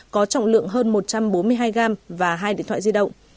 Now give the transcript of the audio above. có trọng lượng hơn một trăm bốn mươi hai gram và hai điện thoại di động